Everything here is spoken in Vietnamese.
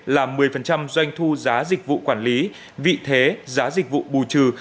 là một mươi doanh thu giá dịch vụ quản lý vị thế giá dịch vụ bù trừ